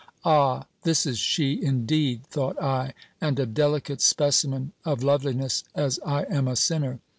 Ah ! this is she, indeed ! thought I ? and a delicate specimen of loveliness, as I am a sinner